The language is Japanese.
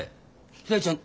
ひらりちゃん